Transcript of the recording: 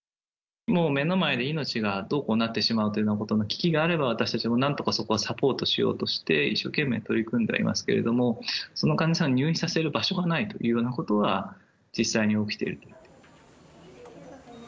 もう目の前で命がどうこうなってしまうということの危機があれば、私たちもなんとかそこはサポートしようとして、一生懸命取り組んではいますけれども、その患者さんを入院させる場所がないというようなことは、実際に起きている。